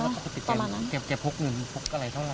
ใช่เนอะประมาณนั้นปกติเก็บพุกหนึ่งพุกอะไรเท่าไร